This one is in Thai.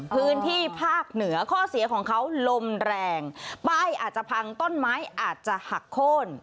พื้นที่ภาคเหนือข้อเสียของเขาลมแรงป้ายอาจจะพังต้นไม้อาจจะหักโค้น